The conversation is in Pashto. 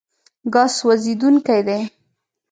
ګاز سوځېدونکی دی.